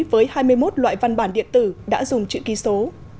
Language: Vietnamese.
với hai mươi một loại văn bản điện tử đã dùng chữ ký số